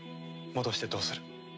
戻してどうする？